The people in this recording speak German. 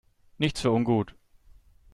Nichts für ungut!